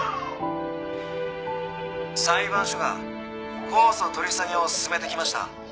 「裁判所が控訴取り下げを勧めてきました」